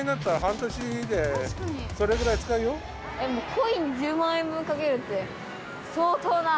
コインに１０万円分かけるって相当な。